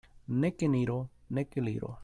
Nek eniro, nek eliro.